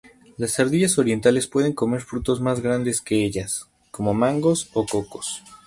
Las ardillas orientales pueden comer frutos más grandes que ellas, como mangos o cocos.